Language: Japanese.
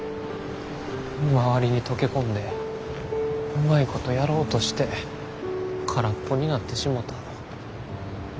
周りに溶け込んでうまいことやろうとして空っぽになってしもた。